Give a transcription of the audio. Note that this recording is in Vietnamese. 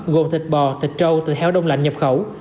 gồm thịt bò thịt trâu từ heo đông lạnh nhập khẩu